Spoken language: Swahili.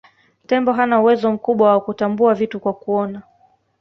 tembo hana uwezo mkubwa wa kutambua vitu kwa kuona